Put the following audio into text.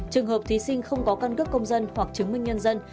trường hợp thí sinh không có căn cước công dân hoặc chứng minh nhân dân